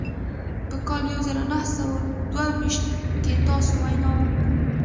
په کال يو زر و نهه سوه دوه ويشت کې تاسې وينا وکړه.